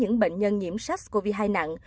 những bệnh nhân nhiễm sars cov hai nặng